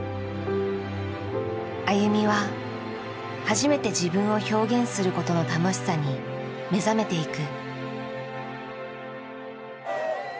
ＡＹＵＭＩは初めて自分を表現することの楽しさに目覚めていく。